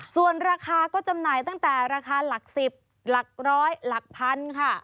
ส่วนราคาก็จำหน่ายตั้งแต่ราคาหลัก๑๐หลักร้อยหลักพันค่ะ